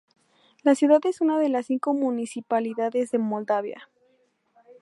La ciudad es una de las cinco municipalidades de Moldavia.